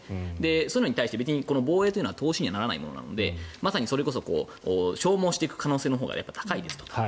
そういうのに対して防衛というのは投資にならないものなのでそれこそ消耗していく可能性のほうがやっぱり高いです。